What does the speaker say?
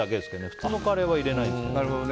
普通のカレーは入れないんですけど。